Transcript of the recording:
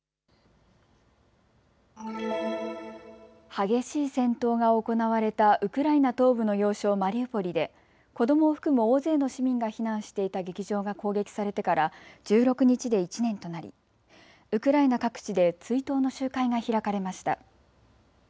激しい戦闘が行われたウクライナ東部の要衝マリウポリで子どもを含む大勢の市民が避難していた劇場が攻撃されてから１６日で１年となり、ウクライナ各地で追悼の集会が開かれました。